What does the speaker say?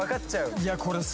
いやこれさ